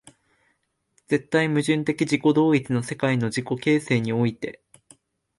絶対矛盾的自己同一の世界の自己形成において、